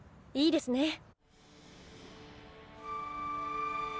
いいですね。